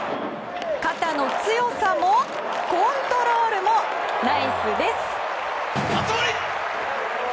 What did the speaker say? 肩の強さも、コントロールもナイスです。